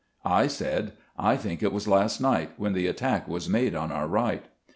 I said :" I think it was last night, when the attack was made on our right."